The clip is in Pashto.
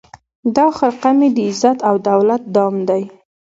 دا خرقه مي د عزت او دولت دام دی